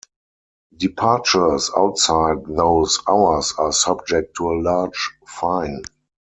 Departures outside those hours are subject to a large fine.